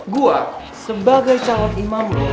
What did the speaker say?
gue sebagai calon imam lo